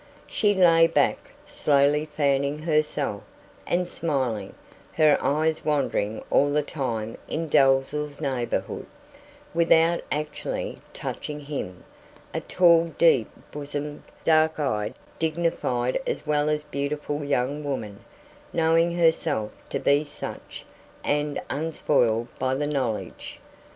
She lay back, slowly fanning herself, and smiling, her eyes wandering all the time in Dalzell's neighbourhood, without actually touching him a tall, deep bosomed, dark eyed, dignified as well as beautiful young woman, knowing herself to be such, and unspoiled by the knowledge.